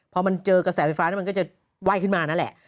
พอมันเจอกระแสไฟฟ้าแล้วมันก็จะไหว้ขึ้นมานั่นแหละ